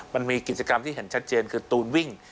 มันมีกิจกรรมที่เห็นชัดเจนคือตูนวิ่ง